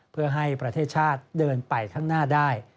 เพื่อให้ประเทศชาติเดินไปข้างหน้าได้